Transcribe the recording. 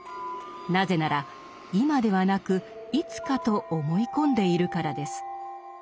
なぜなら「今ではなくいつか」と思い込んでいるからです。